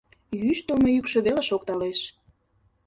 Йӱштылмӧ йӱкшӧ вел шокталеш.